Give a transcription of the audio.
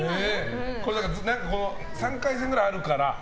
３回戦ぐらいあるから。